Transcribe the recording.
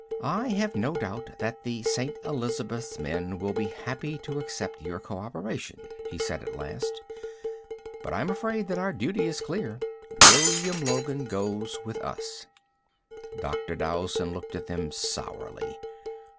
"I have no doubt that the St. Elizabeths men will be happy to accept your co operation," he said at last. "But, I'm afraid that our duty is clear. William Logan goes with us." Dr. Dowson looked at them sourly.